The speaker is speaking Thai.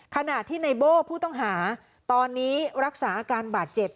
ขณะที่ในโบ้ผู้ต้องหาตอนนี้รักษาอาการบาดเจ็บ